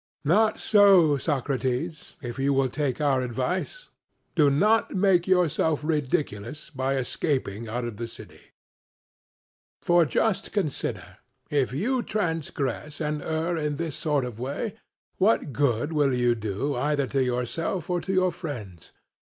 Not so, Socrates, if you will take our advice; do not make yourself ridiculous by escaping out of the city. 'For just consider, if you transgress and err in this sort of way, what good will you do either to yourself or to your friends?